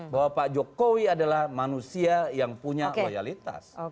bahwa pak jokowi adalah manusia yang punya loyalitas